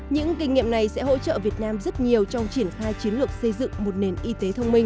những kinh nghiệm này sẽ hỗ trợ việt nam rất nhiều trong triển khai chiến lược xây dựng một nền y tế thông minh